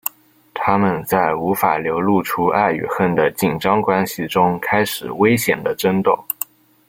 他们在无法流露出爱与恨的紧张关系中开始危险的争斗。